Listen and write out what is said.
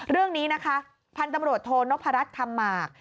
เรื่องนี้นะคะพันธมรวชโทนพระรัชธรรมาก